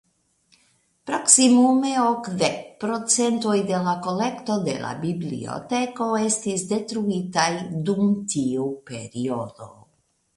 Proksimume okdek procentoj de la kolekto de la biblioteko estis detruitaj dum tiu periodo.